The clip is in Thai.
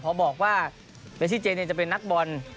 พอบอกว่าเจก็จะเป็อนักบ่น